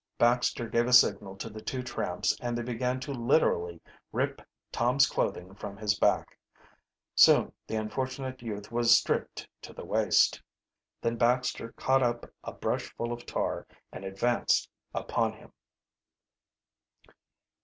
Baxter gave a signal to the two tramps and they began to literally rip Tom's clothing from his back. Soon the unfortunate youth was stripped to the waist. Then Baxter caught up, a brush full of tar and advanced upon him.